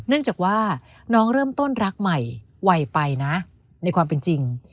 เนื่องจากว่าน้องเริ่มต้นรักใหม่ไวไปนะในความเป็นจริง